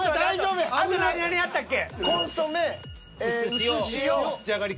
あと何々あったっけ？